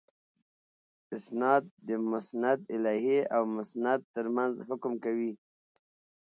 اِسناد د مسندالیه او مسند تر منځ حکم کوي.